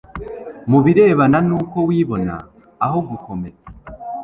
mu birebana n uko wibona aho gukomeza